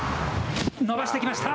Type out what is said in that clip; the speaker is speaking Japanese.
伸ばしてきました。